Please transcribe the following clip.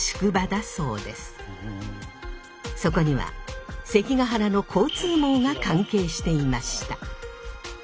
そこには関ケ原の交通網が関係していました。